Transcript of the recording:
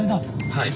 はい。